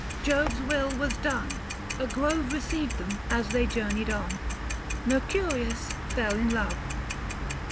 Jove's will was done. A grove received them as they journeyed on : 655 Mercurius fell in love.